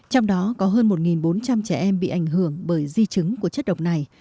trong đó có hơn một bốn trăm linh trẻ em bị ảnh hưởng bởi di chứng của chất độc này